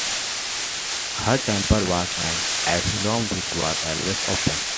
Her temple was an asylum which was always open.